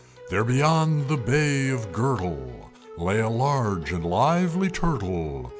There, beyond the Bay of Gurtle, Lay a large and lively Turtle.